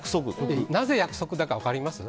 なぜ約束だか分かります？